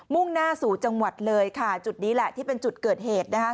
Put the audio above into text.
่งหน้าสู่จังหวัดเลยค่ะจุดนี้แหละที่เป็นจุดเกิดเหตุนะคะ